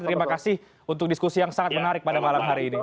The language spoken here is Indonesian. terima kasih untuk diskusi yang sangat menarik pada malam hari ini